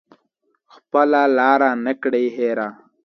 خپله لاره نه کړي هیره